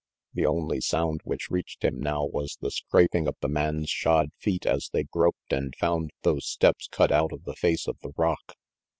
The only sound which reached him now was the scraping of the man's shod feet as they groped and found those steps cut out of the face of the rock.